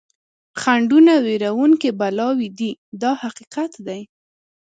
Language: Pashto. خنډونه وېروونکي بلاوې دي دا حقیقت دی.